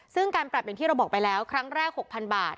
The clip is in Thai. ซึ่งการปรับอย่างที่เราบอกไปแล้วครั้งแรก๖๐๐๐บาท